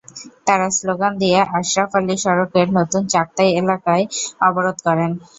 তাঁরা স্লোগান দিয়ে আশরাফ আলী সড়কের নতুন চাক্তাই এলাকায় অবরোধ করেন।